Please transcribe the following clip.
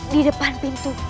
di depan pintu